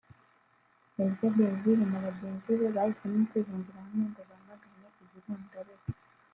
Hervé Berville na bagenzi be bahisemo kwibumbira hamwe ngo bamagane iri rondaruhu